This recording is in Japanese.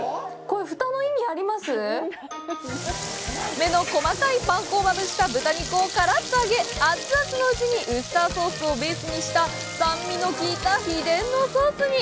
目の細かいパン粉をまぶした豚肉をカラッと揚げ、熱々のうちにウスターソースをベースにした酸味のきいた秘伝のソースに。